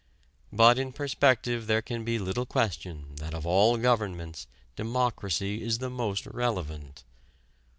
But in perspective there can be little question that of all governments democracy is the most relevant.